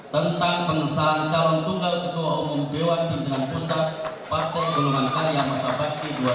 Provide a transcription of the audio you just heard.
tentang pengesahan calon tunggal ketua umum dewan pembinaan pusat